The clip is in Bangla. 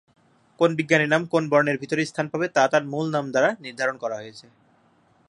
কোন বিজ্ঞানীর নাম কোন বর্ণের ভিতরে স্থান পাবে তা তার মূল নাম দ্বারা নির্ধারণ করা হয়েছে।